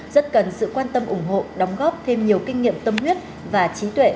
rất cần sự quan tâm ủng hộ đóng góp thêm nhiều kinh nghiệm tâm huyết và trí tuệ